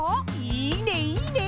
いいねいいね！